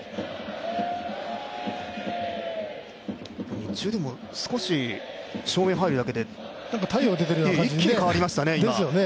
日中、でも少し照明が入るだけで太陽が出てるような感じ